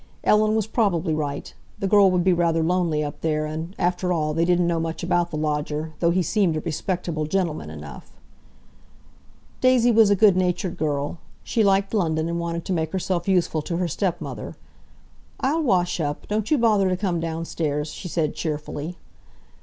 Ellen was probably right; the girl would be rather lonely up there, and, after all, they didn't know much about the lodger, though he seemed a respectable gentleman enough. Daisy was a good natured girl; she liked London, and wanted to make herself useful to her stepmother. "I'll wash up; don't you bother to come downstairs," she said cheerfully.